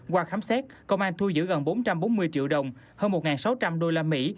qua khám xét công an thu giữ gần bốn trăm bốn mươi triệu đồng hơn một sáu trăm linh đô la mỹ